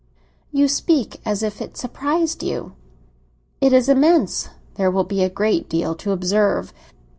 "You speak as if it surprised you." "It is immense; there will be a great deal to observe."